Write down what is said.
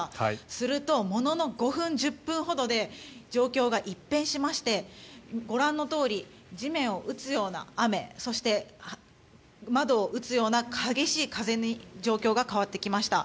すると、ものの５分１０分ほどで状況が一変しましてご覧のとおり地面を打つような雨そして窓を打つような激しい風に状況が変わってきました。